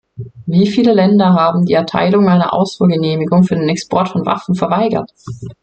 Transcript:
Wie viele Länder haben die Erteilung einer Ausfuhrgenehmigung für den Export von Waffen verweigert?